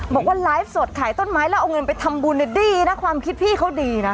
บอกว่าไลฟ์สดขายต้นไม้แล้วเอาเงินไปทำบุญดีนะความคิดพี่เขาดีนะ